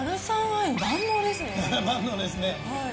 万能ですね。